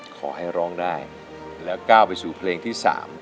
ขอให้ร้องได้แล้วก้าวไปสู่เพลงที่๓